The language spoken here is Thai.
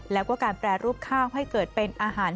แล้วก็การแปรรูปข้าวให้เกิดเป็นอาหาร